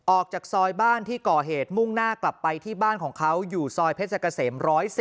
ออกจากซอยบ้านที่ก่อเหตุมุ่งหน้ากลับไปที่บ้านของเขาอยู่ซอยเพชรเกษม๑๑๐